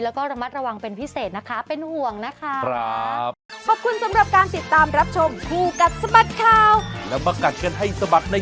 แล้วก็ระมัดระวังเป็นพิเศษนะคะเป็นห่วงนะคะ